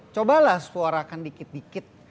cobalah suarakan dikit dikit